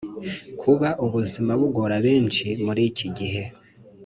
Kuba ubuzima bugora benshi muri iki gihe